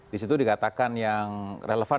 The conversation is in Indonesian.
di situ dikatakan yang relevan